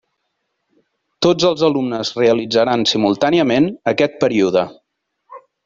Tots els alumnes realitzaran simultàniament aquest període.